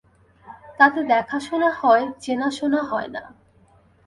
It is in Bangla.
তাতে দেখাশোনা হয়, চেনাশোনা হয় না।